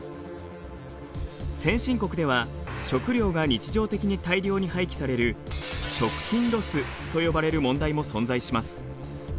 先進国では食料が日常的に大量に廃棄される食品ロスと呼ばれる問題も存在します。